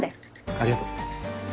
ありがとう。